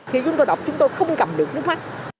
thì chúng tôi đọc chúng tôi không cầm được nước mắt